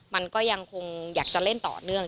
มันก็ยังคงอยากจะเล่นต่อเนื่อง